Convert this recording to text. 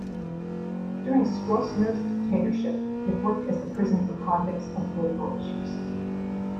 During Stroessner's dictatorship it worked as the prison for convicts of political issues.